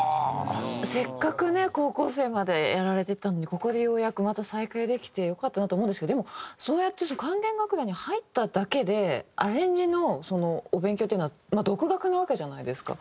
せっかくね高校生までやられてたのにここでようやくまた再開できてよかったなと思うんですけどでもそうやって管弦楽団に入っただけでアレンジのそのお勉強というのは独学なわけじゃないですか。